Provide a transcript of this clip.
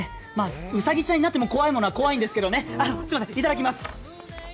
うさぎちゃんになっても怖いものは怖いんですけれどもね。